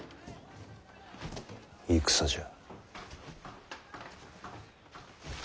戦じゃ。